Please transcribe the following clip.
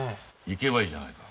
行けばいいじゃないか。